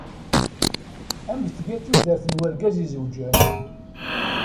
Amek tga tudert n wergaz izewǧen?